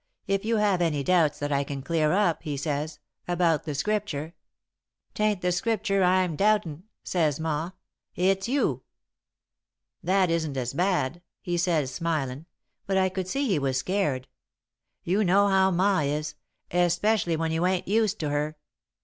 'If you have any doubts that I can clear up,' he says, 'about the Scripture ' "''Tain't the Scripture I'm doubtin',' says Ma, 'it's you.' "'That isn't as bad,' he says, smilin', but I could see he was scared. You know how Ma is especially when you ain't used to her.